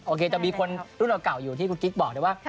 จะมีคนรุ่นเก่าอยู่ที่คุณกิ๊กบอกเลยว่า